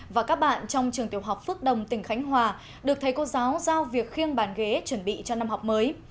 và các bạn trong trường tiểu học phước đồng tỉnh khánh hòa được thầy cô giáo giao việc khiêng bàn ghế chuẩn bị cho năm học mới